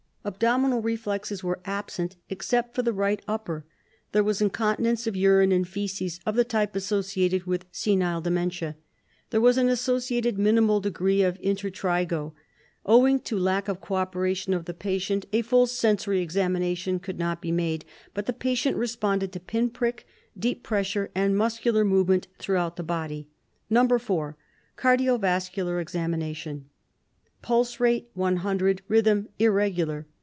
Abdominal reflexes were absent, except for the right upper. There was incontinence of urine and feces, of the type associated with senile dementia. There was an associated minimal degree of intertrigo. Owing to lack of cooperation of the patient a full sensory examination could not be made, but the patient responded to pin prick, deep pressure and muscular movement throughout the body. 4. Cardio vascular Examination: Pulse: Rate 100, rhythm irregular.